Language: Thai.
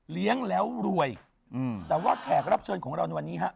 เลี้ยงแล้วรวยแต่ว่าแขกรับเชิญของเราในวันนี้ฮะ